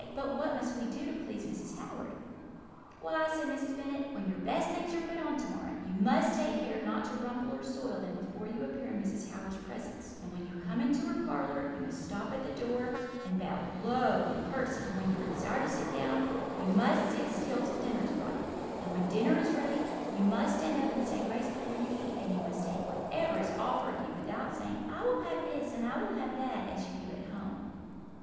But what must we do to please Mrs. Howard?' "'Why,' said Mrs. Bennet, 'when your best things are put on to morrow, you must take care not to rumple or soil them before you appear in Mrs. Howard's presence; and when you come into her parlour you must stop at the door, and bow low and curtsey; and when you are desired to sit down, you must sit still till dinner is brought in; and when dinner is ready, you must stand up and say grace before you eat; and you must take whatever is offered you, without saying, "I will have this," and "I will have that," as you do at home.'